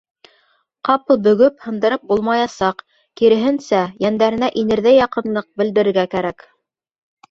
Ҡапыл бөгөп һындырып булмаясаҡ, киреһенсә, йәндәренә инерҙәй яҡынлыҡ белдерергә кәрәк.